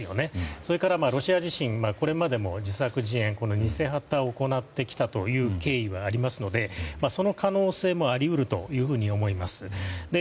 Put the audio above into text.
それから、ロシア自身これまでも自作自演偽旗を行ってきたという経緯がありますのでその可能性もあり得ると思います。